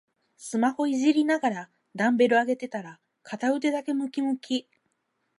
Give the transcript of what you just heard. スマホいじりながらダンベル上げてたら片腕だけムキムキ